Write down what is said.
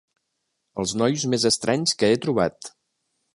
Els nois més estranys que he trobat.